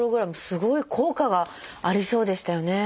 すごい効果がありそうでしたよね。